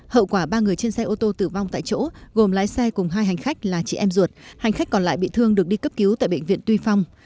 hậu quả ba người trên xe ô tô tử vong tại chỗ gồm lái xe cùng hai hành khách là chị em ruột hành khách còn lại bị thương được đi cấp cứu tại bệnh viện tuy phong